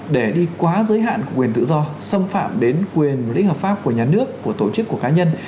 để đi quá giới hạn của quyền tự do xâm phạm đến quyền lợi ích hợp pháp của nhà nước của tổ chức của cá nhân